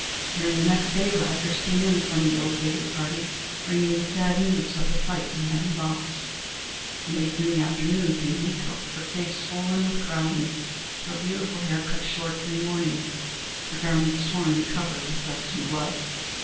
During the next day, riders came in from the ill fated party, bringing the sad news of the fight and heavy loss. Late in the afternoon came Weeko, her face swollen with crying, her beautiful hair cut short in mourning, her garments torn and covered with dust and blood.